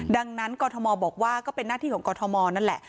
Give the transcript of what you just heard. ดังนั้นกรทมบอกว่าก็เป็นหน้าที่ของกรทมนั่นแหละ